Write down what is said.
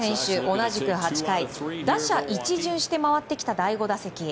同じく８回打者一巡して回ってきた第５打席。